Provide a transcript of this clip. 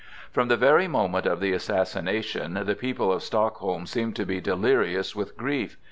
From the very moment of the assassination the people of Stockholm seemed to be delirious with grief.